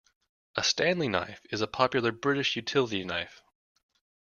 A Stanley knife is a popular British utility knife